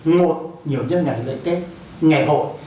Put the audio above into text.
một nhiều nhất ngày lễ tết ngày hội